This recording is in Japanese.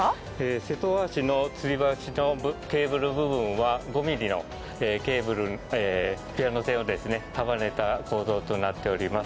瀬戸大橋のつり橋のケーブル部分は５ｍｍのピアノ線を束ねた構造となっております。